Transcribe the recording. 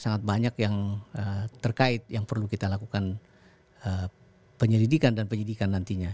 sangat banyak yang terkait yang perlu kita lakukan penyelidikan dan penyidikan nantinya